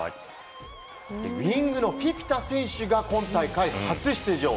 ウィングのフィフィタ選手が今大会初出場。